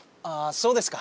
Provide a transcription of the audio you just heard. そうですか。